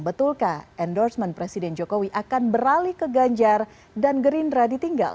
betulkah endorsement presiden jokowi akan beralih ke ganjar dan gerindra ditinggal